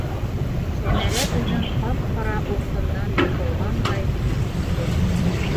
- Сәмәрә үҙен ҡап-ҡара упҡындан йотолғандай хис итте.